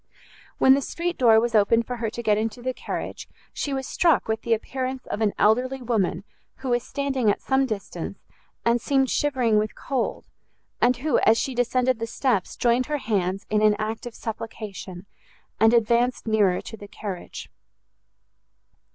When the street door was opened for her to get into the carriage, she was struck with the appearance of an elderly woman who was standing at some distance, and seemed shivering with cold, and who, as she descended the steps, joined her hands in an act of supplication, and advanced nearer to the carriage.